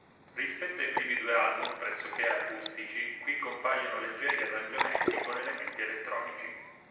Rispetto ai primi due album pressoché acustici qui compaiono leggeri arrangiamenti con elementi elettronici.